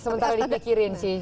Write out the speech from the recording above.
sementara dipikirin sih